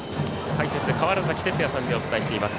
解説、川原崎哲也さんでお伝えしています。